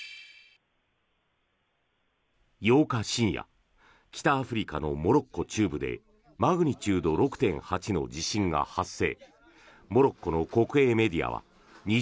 ８日深夜北アフリカのモロッコ中部でマグニチュード６．８の地震が発生。